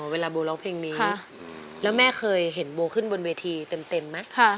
เวลาโบร้องเพลงนี้แล้วแม่เคยเห็นโบขึ้นบนเวทีเต็มไหม